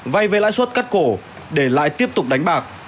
vay về lãi suất cắt cổ để lại tiếp tục đánh bạc